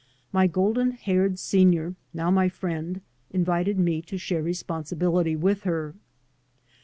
My golden haired senior, now my friend, invited me to share responsibility with her.